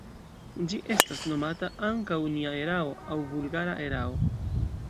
Ĝi estas nomata ankaŭ “nia erao” aŭ "vulgara erao”.